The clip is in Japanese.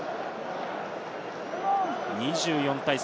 ２４対３。